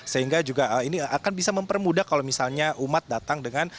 sehingga juga ini akan bisa mempermudah kalau misalnya umat datang dengan